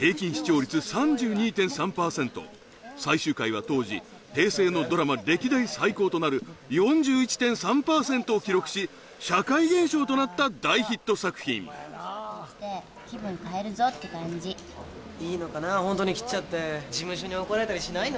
最終回は当時平成のドラマ歴代最高となる４１．３％を記録し社会現象となった大ヒット作品気分変えるぞって感じいいのかなホントに切っちゃって事務所に怒られたりしないの？